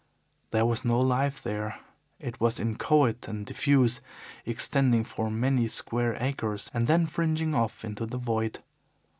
There was no life there. It was inchoate and diffuse, extending for many square acres and then fringing off into the void.